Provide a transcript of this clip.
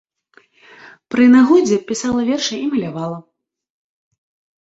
Пры нагодзе пісала вершы і малявала.